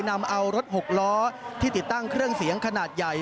นำเอารถ๖ล้อที่ติดตั้งเครื่องเสียงขนาดใหญ่